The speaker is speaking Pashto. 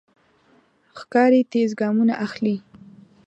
ښکاري تېز ګامونه اخلي.